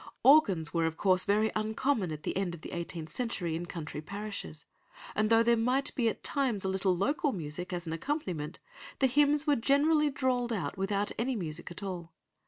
Organs were of course very uncommon at the end of the eighteenth century in country parishes, and though there might be at times a little local music, as an accompaniment, the hymns were generally drawled out without music at all.